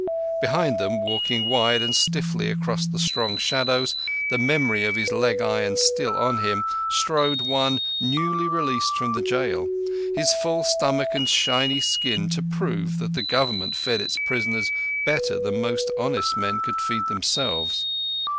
Behind them, walking wide and stiffly across the strong shadows, the memory of his leg irons still on him, strode one newly released from the jail; his full stomach and shiny skin to prove that the Government fed its prisoners better than most honest men could feed themselves.